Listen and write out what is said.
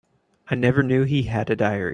I never knew he had a diary.